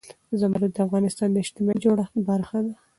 زمرد د افغانستان د اجتماعي جوړښت برخه ده.